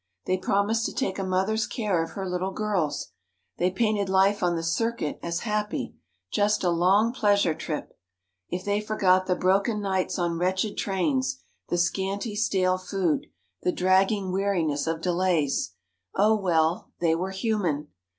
They promised to take a mother's care of her little girls. They painted life on the circuit as happy—just a long pleasure trip. If they forgot the broken nights on wretched trains, the scanty, stale food, the dragging weariness of delays ... oh, well, they were human.